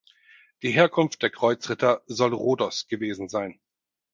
Die Herkunft der Kreuzritter soll Rhodos gewesen sein.